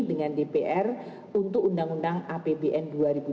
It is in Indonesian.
dengan dpr untuk undang undang apbn dua ribu dua puluh